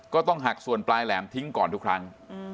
ก็ต้องหักส่วนปลายแหลมทิ้งก่อนทุกครั้ง